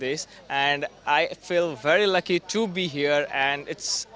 dan saya rasa sangat beruntung untuk berada di sini